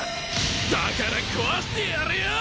だから壊してやるよ！